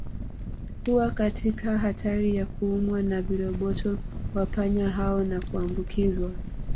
Huwa katika hatari ya kuumwa na viroboto wa panya hao na kuambukizwa